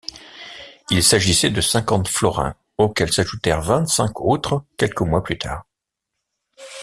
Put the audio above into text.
Il s'agissait de cinquante florins auxquels s'ajoutèrent vingt-cinq autres quelques mois plus tard.